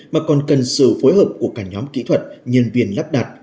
mà còn cần sự phối hợp của cả nhóm kỹ thuật nhân viên lắp đặt